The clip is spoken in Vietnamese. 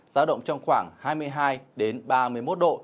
giao động trong khoảng hai mươi hai ba mươi một độ